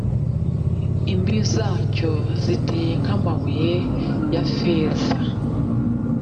imbibi zacyo ziteye nk’amabuye ya feza.